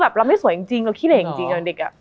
มันทำให้ชีวิตผู้มันไปไม่รอด